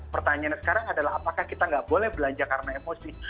pertanyaannya sekarang adalah apakah kita nggak boleh belanja karena emosi